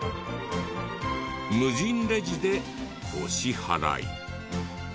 無人レジでお支払い。